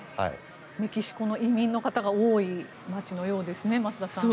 メキシコの移民の方が多い街のようですね、増田さん。